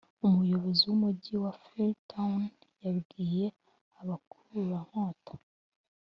Umuyobozi w umugi wa freetown yabwiye abakurankota